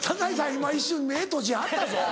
今一瞬目閉じはったぞ。